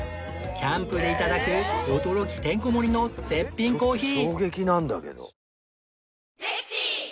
キャンプで頂く驚きてんこ盛りの絶品コーヒー